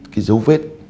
cái dấu vết